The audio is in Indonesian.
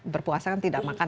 berpuasa kan tidak makan